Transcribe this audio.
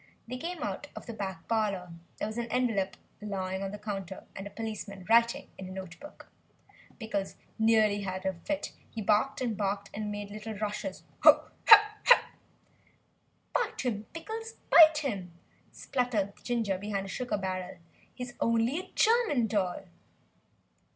They came out of the back parlour. There was an envelope lying on the counter, and a policeman writing in a note book! Pickles nearly had a fit, he barked and he barked and made little rushes. "Bite him, Pickles! bite him!" spluttered Ginger behind a sugar barrel, "he's only a German doll!"